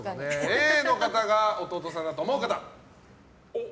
Ａの方が弟さんだと思う方。